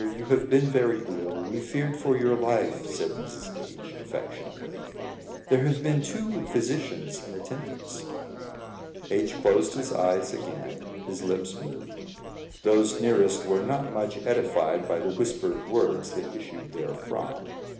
You have been very ill; we feared for your life," said Mrs. H , affectionately; "there have been two physicians in attendance." H closed his eyes again; his lips moved. Those nearest were not much edified by the whispered words that issued therefrom.